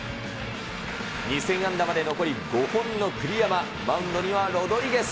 ２０００安打まで残り５本の栗山、マウンドにはロドリゲス。